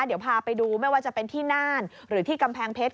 เดี๋ยวพาไปดูไม่ว่าจะเป็นที่น่านหรือที่กำแพงเพชร